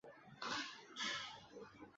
堆栈与队列的顺序存储结构